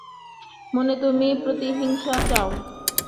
মানে তুমি প্রতিহিংসা চাও।